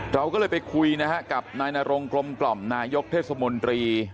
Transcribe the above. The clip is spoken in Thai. เราก็เลยไปคุยนะฮะกับนายนรงกลมกล่อมนายกเทศมนตรี